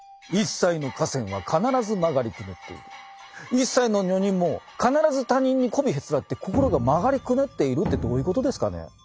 一切の女人も必ず他人にこびへつらって心が曲がりくねっているってどういうことですかね。